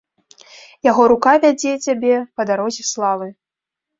Яго рука вядзе цябе па дарозе славы.